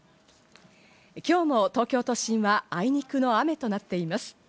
今日も東京都心はあいにくの雨となっています。